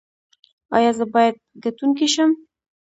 ایا زه باید ګټونکی شم؟